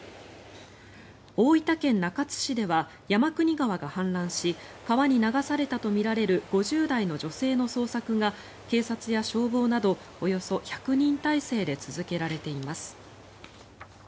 大分県中津市では山国川が氾濫し川に流されたとみられる５０代の女性の捜索が警察や消防などおよそ１００人態勢で続けられています。